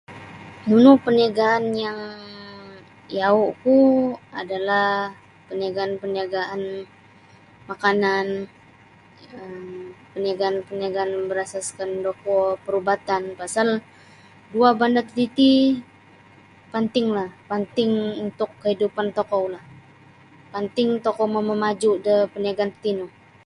Nunu parniagaan yang iyawu'ku adalah parniagaan-parniagaan makanan um parniagaan-parniagaan berasaskan da kuo perubatan pasal duo banda' tatiti pantinglah panting untuk kaidupan tokoulah panting tokou mamamaju' da parniagaan tatino.